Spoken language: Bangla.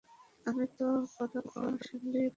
তিনি তো পরাক্রমশালী, পরম দয়ালু।